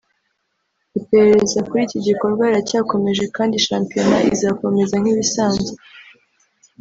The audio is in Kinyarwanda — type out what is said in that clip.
iperereza kuri iki gikorwa riracyakomeje kandi na shampiyona izakomeza nk’ibisanzwe